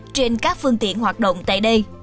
trên các phương tiện hoạt động tại đây